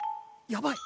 やばい！